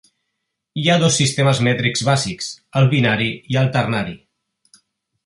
Hi ha dos sistemes mètrics bàsics: el binari i el ternari.